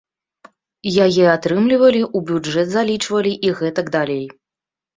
Яе атрымлівалі, у бюджэт залічвалі і гэтак далей.